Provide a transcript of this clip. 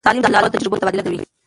تعلیم د علماوو د تجربو تبادله کوي.